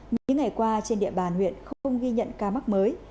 mấy ngày qua trên địa bàn huyện không ghi nhận ca mắc mới